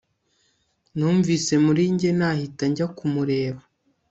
Numvise muri njye nahita njya kumureba